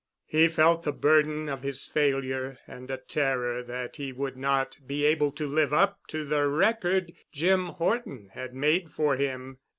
He felt the burden of his failure and a terror that he would not be able to live up to the record Jim Horton had made for him.